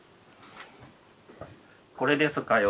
これですかよ。